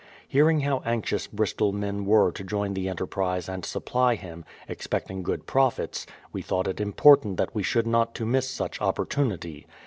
Hearing how anxious Bristol men were to join the enterprise and supply him, expecting good profits, we thought it important that we should not to miss such opportunity.